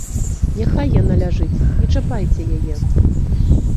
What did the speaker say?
Няхай яна ляжыць, не чапайце яе.